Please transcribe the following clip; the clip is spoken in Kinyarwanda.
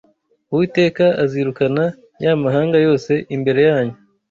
Uwiteka azirukana ya mahanga yose imbere yanyu